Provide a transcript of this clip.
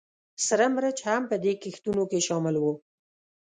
سره مرچ هم په دې کښتونو کې شامل وو